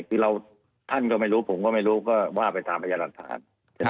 คือเราท่านก็ไม่รู้ผมก็ไม่รู้ก็ว่าไปตามพยานหลักฐาน